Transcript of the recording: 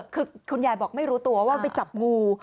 คือคุณยายบอกไม่รู้ตัวว่าไปจับงู